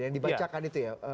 yang dibacakan itu ya